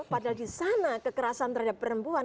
padahal di sana kekerasan terhadap perempuan